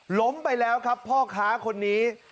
ล้มไปแล้วครับพ่อค้าคนนี้